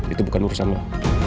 itu bukan urusan lo